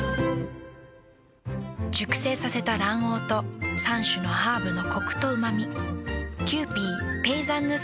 熟成させた卵黄と３種のハーブのコクとうま味。